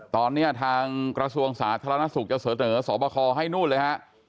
ตอนนี้ทางกระทรวงสาธารณสุขจะเสนอสอบคอให้นู่นเลยฮะ